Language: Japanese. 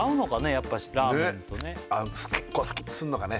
やっぱしラーメンとね結構スキッとするのかね